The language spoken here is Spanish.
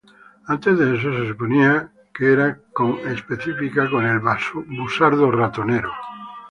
Antes de eso, se suponía que era conespecífica con el busardo ratonero.